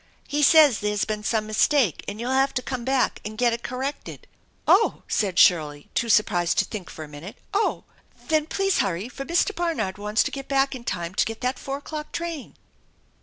He says there's been some mistake and you'll have to come back and get it corrected." " Oh !" said Shirley, too surprised to think for a minute. " Oh ! Then please hurry, for Mr. Barnard wants to get back in time to get that four o'clock train."